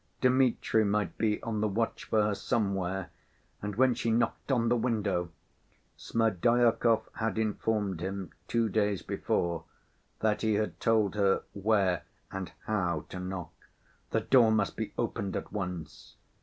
Dmitri might be on the watch for her somewhere, and when she knocked on the window (Smerdyakov had informed him two days before that he had told her where and how to knock) the door must be opened at once.